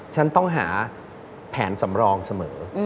ฉันต้องหาแผนสำรองเสมอ